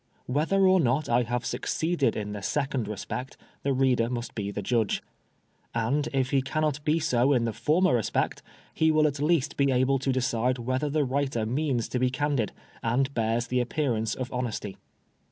Whether or not I have succeeded in the second respect the reader must be the judge ; and if he cannot be so in the former respect, he will at least be able to decide whether the writer means to be candid smd bears the appearance of honesty.